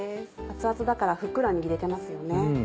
熱々だからふっくら握れてますよね。